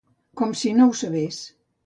Com si no ho sabés.